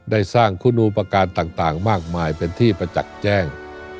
ได้สร้างคุณอุปการณ์ต่างมากมายเป็นที่ประจักษ์แจ้ง